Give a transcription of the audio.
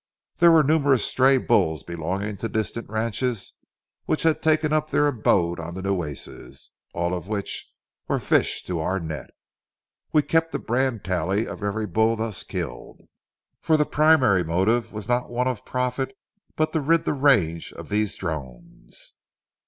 There were numerous stray bulls belonging to distant ranches which had taken up their abode on the Nueces, all of which were fish to our net. We kept a brand tally of every bull thus killed; for the primary motive was not one of profit, but to rid the range of these drones.